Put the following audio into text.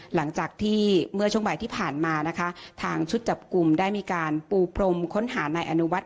หลังจากที่เมื่อช่วงบ่ายที่ผ่านมานะคะทางชุดจับกลุ่มได้มีการปูพรมค้นหานายอนุวัฒ